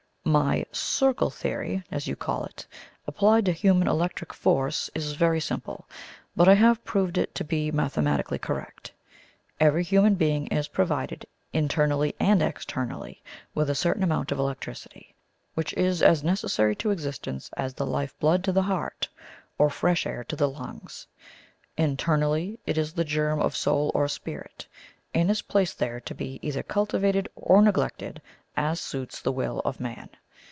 MY 'circle theory,' as you call it, applied to human electric force, is very simple; but I have proved it to be mathematically correct. Every human being is provided INTERNALLY and EXTERNALLY with a certain amount of electricity, which is as necessary to existence as the life blood to the heart or fresh air to the lungs. Internally it is the germ of a soul or spirit, and is placed there to be either cultivated or neglected as suits the WILL of man.